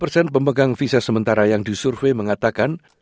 empat puluh persen pemegang visa sementara yang disurvei mengatakan